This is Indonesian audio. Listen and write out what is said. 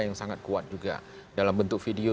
yang sangat kuat juga dalam bentuk video